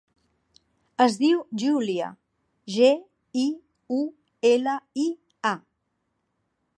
Es diu Giulia: ge, i, u, ela, i, a.